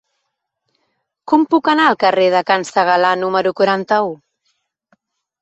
Com puc anar al carrer de Can Segalar número quaranta-u?